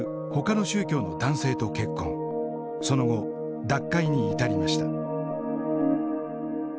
その後脱会に至りました。